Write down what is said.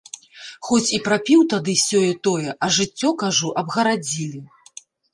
Хоць і прапіў тады сёе-тое, а жыццё, кажу, абгарадзілі.